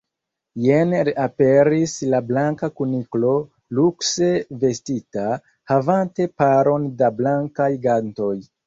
Jen reaperis la Blanka Kuniklo lukse vestita, havante paron da blankaj gantoj.